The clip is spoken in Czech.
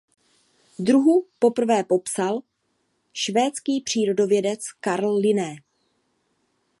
Druhu poprvé popsal švédský přírodovědec Carl Linné.